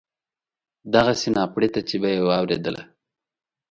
دغسې ناپړېته چې به یې واورېدله.